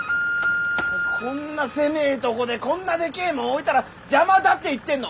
こんな狭えとこでこんなでけえもん置いたら邪魔だって言ってんの。